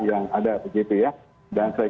yang ada dan saya